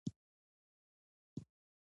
ډيپلوماسی د جګړو مخه نیولي ده.